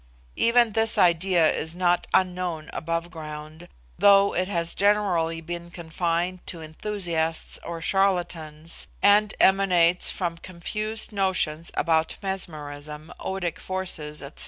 Even this idea is not unknown above ground, though it has generally been confined to enthusiasts or charlatans, and emanates from confused notions about mesmerism, odic force, &c.